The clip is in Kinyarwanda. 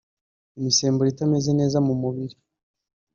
imisemburo itameze neza mu mubiri